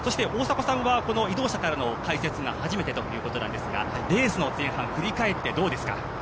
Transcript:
大迫さんは移動車からの解説が初めてということなんですがレースの前半を振り返って、どうですか？